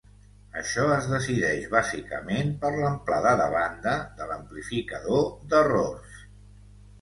Això es decideix bàsicament per l'amplada de banda de l'amplificador d'errors.